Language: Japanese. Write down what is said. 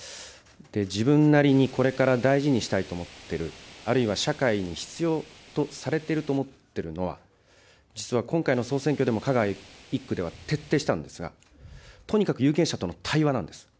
自分なりにこれから大事にしたいと思っている、あるいは社会に必要とされていると思っているのは、実は今回の総選挙でも香川１区では徹底したんですが、とにかく有権者との対話なんです。